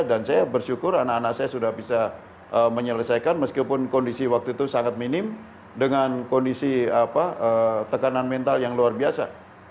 dan saya bersyukur anak anak saya sudah bisa menyelesaikan meskipun kondisi waktu itu sangat minim dengan kondisi tekanan mental yang luar biasa